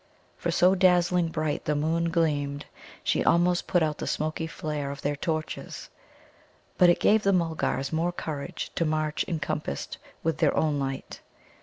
For so dazzling bright the moon gleamed, she almost put out the smoky flare of their torches. But it gave the Mulgars more courage to march encompassed with their own light.